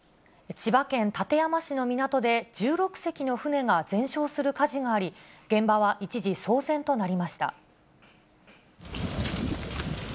千葉県館山市の港で１６隻の船が全焼する火事があり、現場は一時、騒然となりました。